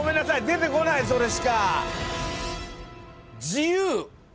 出てこないそれしか。